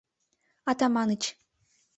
Атаманыч